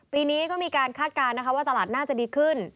ปีนี้ก็มีการคาดการณ์นะคะว่าตลาดน่าจะดีขึ้น